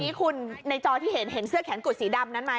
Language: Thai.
นี้คุณในจอที่เห็นเห็นเสื้อแขนกุดสีดำนั้นไหม